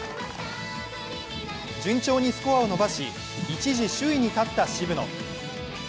順調にスコアを伸ばし一時首位に立った渋野。